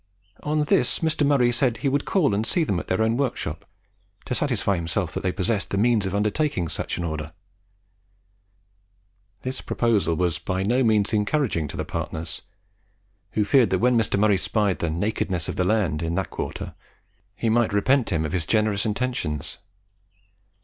On this, Mr. Murray said he would call and see them at their own workshop, to satisfy himself that they possessed the means of undertaking such an order. This proposal was by no means encouraging to the partners, who feared that when Mr. Murray spied "the nakedness of the land" in that quarter, he might repent him of his generous intentions.